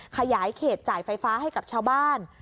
ขยายเขตจ่ายไฟฟ้าให้กับชาวบ้าน